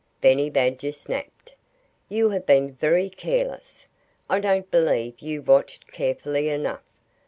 Benny Badger snapped. "You have been very careless. I don't believe you watched carefully enough.